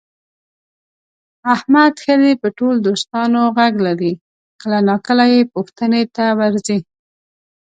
احمد ښه دی په ټول دوستانو غږ لري، کله ناکله یې پوښتنې ته ورځي.